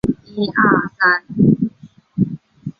具强刺激性。